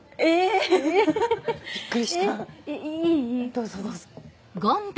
どうぞどうぞ。